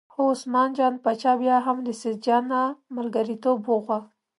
خو عثمان جان باچا بیا هم له سیدجان نه ملګرتوب وغوښت.